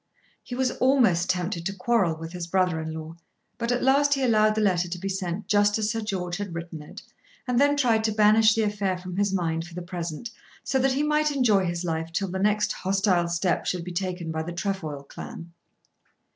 He was almost tempted to quarrel with his brother in law, but at last he allowed the letter to be sent just as Sir George had written it, and then tried to banish the affair from his mind for the present so that he might enjoy his life till the next hostile step should be taken by the Trefoil clan.